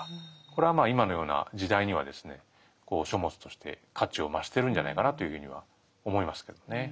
これは今のような時代にはですね書物として価値を増してるんじゃないかなというふうには思いますけどね。